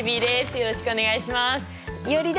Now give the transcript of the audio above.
よろしくお願いします。